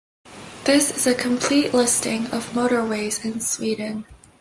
This is a complete listing of motorways in Sweden.